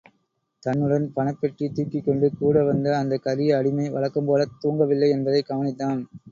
தன்னுடன், பணப்பெட்டி தூக்கிக்கொண்டு கூட வந்த அந்தக் கரிய அடிமை வழக்கம்போலத் தூங்கவில்லை என்பதைக் கவனித்தான்.